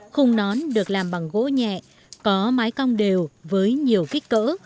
khung nón được làm bằng gỗ nhẹ có mái cong đều với nhiều kích cỡ